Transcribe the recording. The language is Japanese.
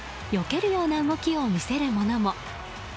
けるような動きを見せるものも。